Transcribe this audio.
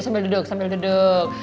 kasian lho duduk dulu sambil duduk